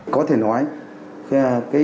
có thể nói